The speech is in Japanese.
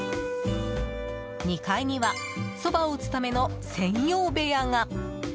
２階にはそばを打つための専用部屋が。